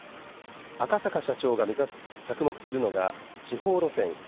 赤坂社長が着目するのが地方路線。